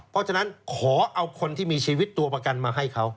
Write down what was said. เพราะฉะนั้นขอเอาคนที่มีชีวิตตัวประกันมาให้เขา